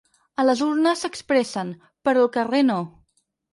A les urnes s’expressen, però al carrer no.